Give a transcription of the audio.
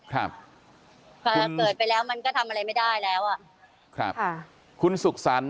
ขาพขาหากเกิดไปแล้วมันก็ทำอะไรไม่ได้แล้วอะขาบคุณสุกศัลณ